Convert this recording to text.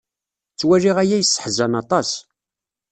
Ttwaliɣ aya yesseḥzan aṭas.